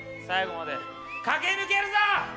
最後まで駆け抜けるぞ！